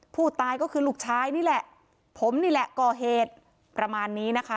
ผู้ตายก็คือลูกชายนี่แหละผมนี่แหละก่อเหตุประมาณนี้นะคะ